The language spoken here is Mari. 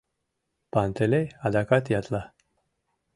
Пантелей адакат ятла: